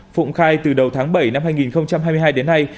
phụng khai từ đầu tháng bảy năm hai nghìn hai mươi hai đến nay